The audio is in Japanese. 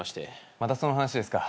またその話ですか。